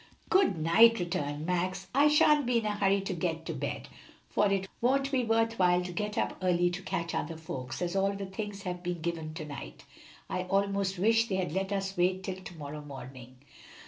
"Good night," returned Max. "I sha'n't be in a hurry to get to bed, for it won't be worth while to get up early to catch other folks, as all the things have been given to night. I almost wish they had let us wait till to morrow morning."